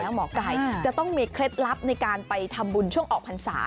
หมอไก่จะต้องมีเคล็ดลับในการไปทำบุญช่วงออกพรรษา